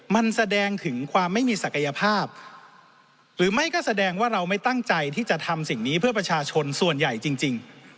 มันแสดงถึงความไม่มีศักยภาพหรือไม่ก็แสดงว่าเราไม่ตั้งใจที่จะทำสิ่งนี้เพื่อประชาชนส่วนใหญ่จริง